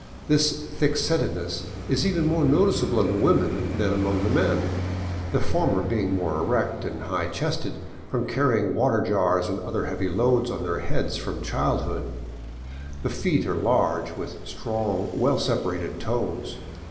This thick setness is even more noticeable in the women than among the men, the former being more erect and high chested from carrying water jars and other heavy loads on their heads from childhood. The feet are large, with strong, well separated toes.